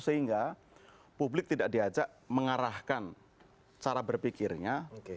sehingga publik tidak diajak mengarahkan cara berpikirnya